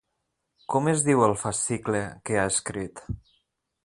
Com es diu el fascicle que ha escrit?